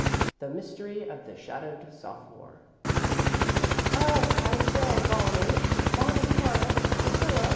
XIV The Mystery of the Shadowed Sophomore "Oh, I say, Bonnie Bonnie Connaught! Priscilla!